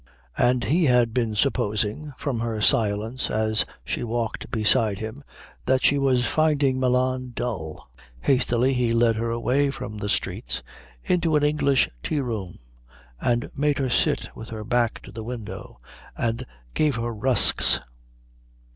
And he had been supposing, from her silence as she walked beside him, that she was finding Milan dull. Hastily he led her away from the streets into an English tea room and made her sit with her back to the window and gave her rusks.